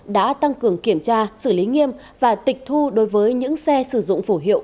đã tăng cường kiểm tra xử lý nghiêm và tịch thu đối với những xe sử dụng phổ hiệu